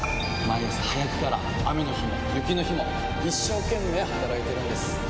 毎朝早くから雨の日も雪の日も一生懸命働いてるんです。